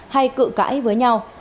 hay cự cãi với nhau